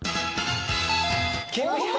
きました。